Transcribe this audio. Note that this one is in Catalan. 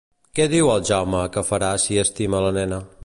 Què diu al Jaume que farà si estima la nena?